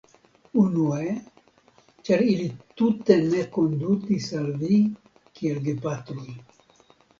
Unue, ĉar ili tute ne kondutis al vi kiel gepatroj.